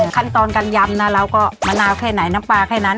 ขั้นตอนการยำนะเราก็มะนาวแค่ไหนน้ำปลาแค่นั้น